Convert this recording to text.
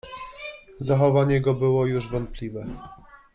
zachowanie go było już wątpliwe.